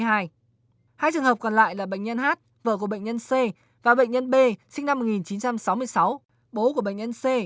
hai trường hợp còn lại là bệnh nhân h vợ của bệnh nhân c và bệnh nhân b sinh năm một nghìn chín trăm sáu mươi sáu bố của bệnh nhân c